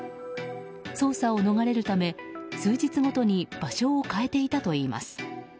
捜査を逃れるため数日ごとに場所を変えていたといいます。